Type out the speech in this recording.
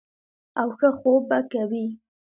او ښۀ خوب به کوي -